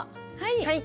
はい。